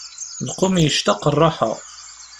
Lqum yectaq rraḥa.